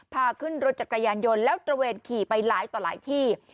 พาขึ้นรถจักรยานยนต์แล้วตระเวนขี่ไปหลายต่อหลายที่